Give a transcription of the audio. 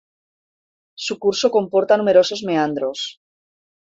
Su curso comporta numerosos meandros.